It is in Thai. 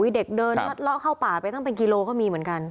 เด็กเดินลัดเลาะเข้าป่าไปตั้งเป็นกิโลก็มีเหมือนกัน